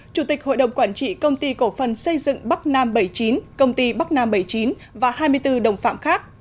chủ tịch hội đồng quản trị công ty cổ phần xây dựng bắc nam bảy mươi chín công ty bắc nam bảy mươi chín và hai mươi bốn đồng phạm khác